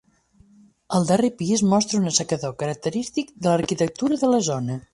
El darrer pis mostra un assecador característic de l'arquitectura de la zona.